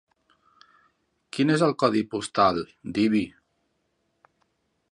Quin és el codi postal d'Ibi?